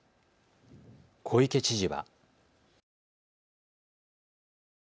小池知事は。